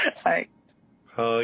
はい。